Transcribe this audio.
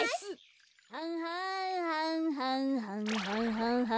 ははんはんはんはんはんはんはん。